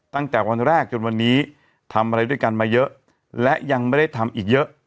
ตั้งแต่วันแรกจนวันนี้ทำอะไรด้วยกันมาเยอะและยังไม่ได้ทำอีกเยอะ